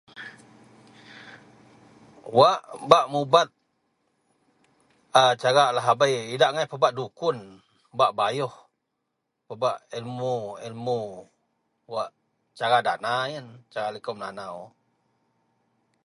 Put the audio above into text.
Wak bak mubat a cara a lahabei idak angai pebak dukun, bak bayoh, pebak ilmu-ilmu wak cara dana yen, cara likou Melanau.